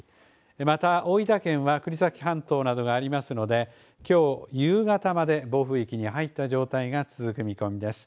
また大分県は国東半島などがありますので、きょう夕方まで暴風域に入った状態が続く見込みです。